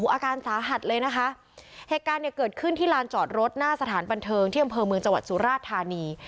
อาการสาหัสเลยนะคะเหตุการณ์เนี่ยเกิดขึ้นที่ลานจอดรถหน้าสถานบันเทิงที่อำเภอเมืองจังหวัดสุราชธานี